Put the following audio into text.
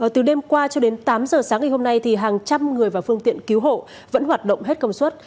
từ đêm qua cho đến tám giờ sáng ngày hôm nay hàng trăm người và phương tiện cứu hộ vẫn hoạt động hết công suất